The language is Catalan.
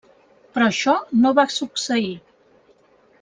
Però això no va succeir.